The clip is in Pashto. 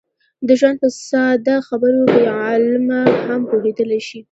د ژوند په ساده خبرو بې علمه هم پوهېدلی شي.